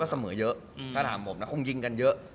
เสมอเยอะถ้าถามผมนะคงยิงกันเยอะ